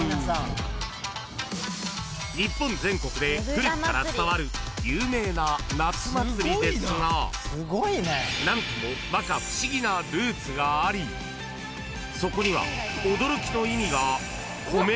［日本全国で古くから伝わる有名な夏祭りですが何ともまか不思議なルーツがありそこには］